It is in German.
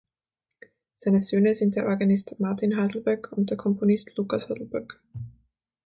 Seine Söhne sind der Organist Martin Haselböck und der Komponist Lukas Haselböck.